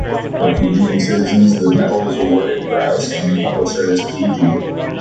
For Fijian civilians the medal was awarded for outstanding public service to Fiji.